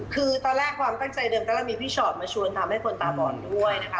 คือตอนแรกความตั้งใจเดิมก็ได้มีพี่ชอตมาชวนทำให้คนตาบอดด้วยนะคะ